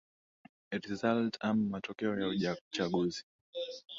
results ama matokeo ya uchaguzi